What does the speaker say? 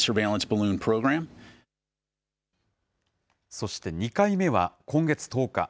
そして２回目は、今月１０日。